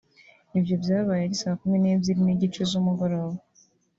Ibyo byabaye ari saa kumi n’ebyiri n’igice z’umugoroba